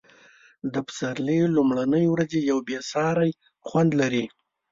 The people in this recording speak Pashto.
د پسرلي لومړنۍ ورځې یو بې ساری خوند لري.